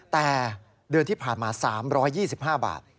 แต่เดือนที่ผ่านมา๓๒๕บาท